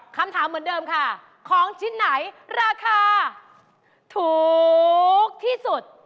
คำถามเหมือนเดิมค่ะของชิ้นไหนราคาถูกที่สุด